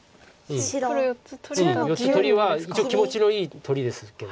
４つ取りは一応気持ちのいい取りですけど。